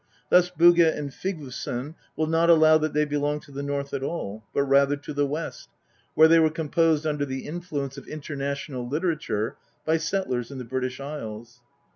Thus Bugge and Vigfusson will not allow that they belong to the North at all, but rather to the West, where they were composed under the influence of international literature by settlers in the British Isles.